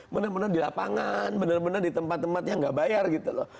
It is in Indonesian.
benar benar di lapangan benar benar di tempat tempatnya gak bayar gitu loh